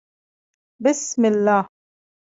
_بسم الله.